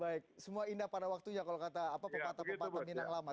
baik semua indah pada waktunya kalau kata apa pepatah pepatah minang lama